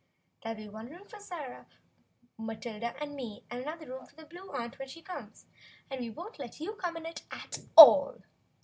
There '11 be one room for Sarah and Matilda and me, and another for the Blue Aunt when she comes, and we won't let you come into it at all."